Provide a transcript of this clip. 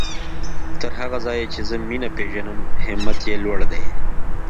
تر هغه ځايه چې زه مينه پېژنم همت يې لوړ دی.